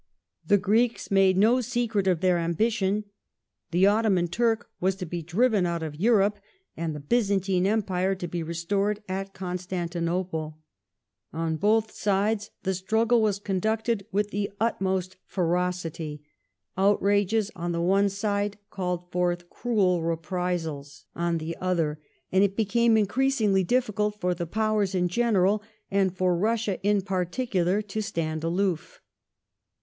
The Greeks made no secret of their ambition : the Ottoman Turk was to be driven out of Europe, and the Byzantine Empire to be restored at Constantinople. On both sides the struggle was conducted with the utmost ferocity : outrages on the one side called forth cruel reprisals 1 Hertslet, i. 659. ^Ibid., 664. 4 1830] CASTLEREAGH'S POLICY 51 on th©' other, and it became increasingly difficult for the Powers in giraeral and for Russia in particular to stand aloof.